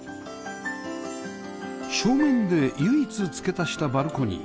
正面で唯一付け足したバルコニー